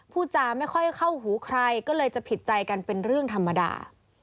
พูดจาไม่ค่อยเข้าหูใครก็เลยจะผิดใจกันเป็นเรื่องธรรมดา